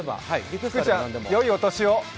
福ちゃん、よいお年を。